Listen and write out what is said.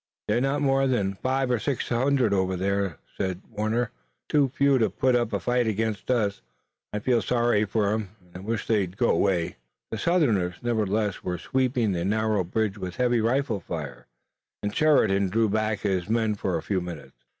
"They're not more than five or six hundred over there," said Warner, "too few to put up a fight against us. I feel sorry for 'em, and wish they'd go away." The Southerners nevertheless were sweeping the narrow bridge with a heavy rifle fire, and Sheridan drew back his men for a few minutes.